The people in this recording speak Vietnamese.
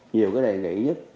nhiều cái đề nghị nhất